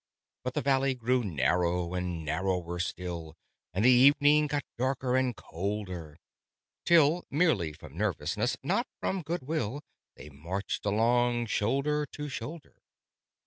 But the valley grew narrow and narrower still, And the evening got darker and colder, Till (merely from nervousness, not from goodwill) They marched along shoulder to shoulder.